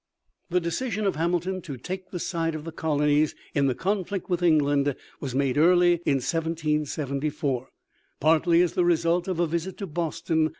The decision of Hamilton to take the side of the colonies in the conflict with England was made early in 1774, partly as the result of a visit to Boston.